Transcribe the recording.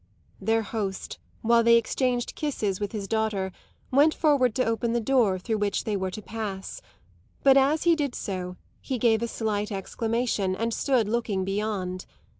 _" Their host, while they exchanged kisses with his daughter, went forward to open the door through which they were to pass; but as he did so he gave a slight exclamation, and stood looking beyond.